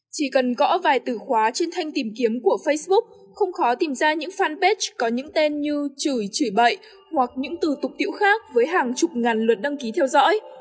chỉ cần gõ vài từ khóa trên thanh tìm kiếm của facebook không khó tìm ra những fanpage có những tên như chửi chửi bậy hoặc những từ tục tiễu khác với hàng chục ngàn lượt đăng ký theo dõi